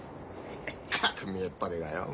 ったく見栄っ張りがよ。